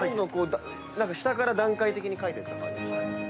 下から段階的に描いていった感じですね。